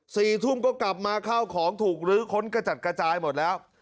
สี่ทุ่มก็กลับมาข้าวของถูกลื้อค้นกระจัดกระจายหมดแล้ว